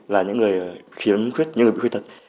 là những người khiến khuyết những người bị khuyết tật